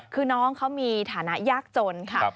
คือน้องเขามีฐานะยากจนค่ะ